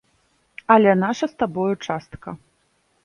Але наша з табою частка.